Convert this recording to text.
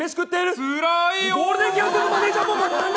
つらいよ。